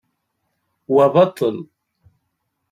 Wa baṭel.